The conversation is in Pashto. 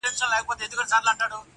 د ژرندي زه راځم، غوږونه ستا سپېره دي.